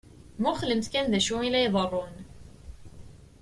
Muqlemt kan d acu i la iḍeṛṛun.